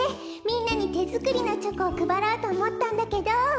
みんなにてづくりのチョコをくばろうとおもったんだけど。